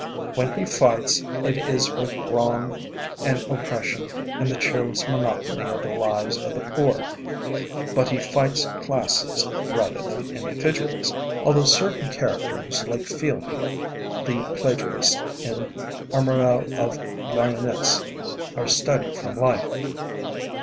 When he fights, it is with wrong and oppression and the cheerless monotony of the lives of the poor; but he fights classes rather than individuals, although certain characters like Fielding the plagiarist, in 'Armorel of Lyonesse,' are studied from life.